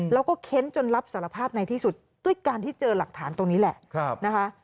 แล้วก็เค้นจนรับสารภาพในที่สุดด้วยการที่เจอหลักฐานตรงนี้แหละนะคะ